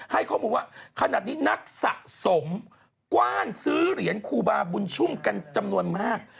ให้ข้อมูลว่าขนาดนี้นักสะสมกว้านซื้อเหรียญครูบาบุญชุ่มกันจำนวนมาก